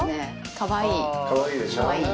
かわいいでしょ。